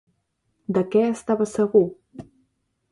De què estava segur?